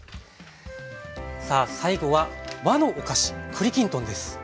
さあ最後は和のお菓子栗きんとんです。